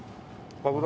爆弾？